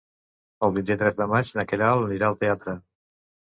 El vint-i-tres de maig na Queralt anirà al teatre.